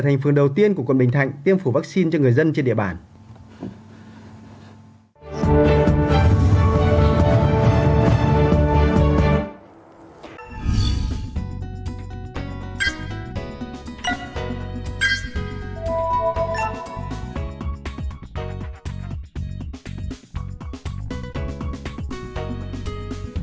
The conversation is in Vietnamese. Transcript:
hãy đăng ký kênh để ủng hộ kênh của mình nhé